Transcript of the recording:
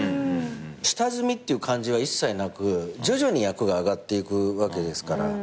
下積みっていう感じは一切なく徐々に役が上がっていくわけですから。